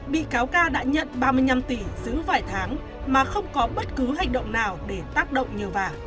bị cáo ca đã nhận ba mươi năm tỷ giữ vài tháng mà không có bất cứ hành động nào để tác động nhờ vả